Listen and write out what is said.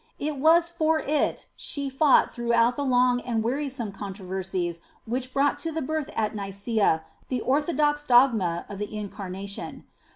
It was for it she fought through the long and wearisome controversies which brought to the birth at Nicea the orthodox dogma of the Incarnation.